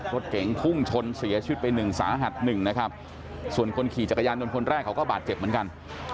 รถเก๋งพุ่งชนเสียชีวิตไปหนึ่งสาหัสหนึ่งนะครับส่วนคนขี่จักรยานยนต์คนแรกเขาก็บาดเจ็บเหมือนกัน